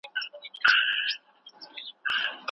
هغه په مجلس کي له خلکو سره حلیمانه خبري کوي.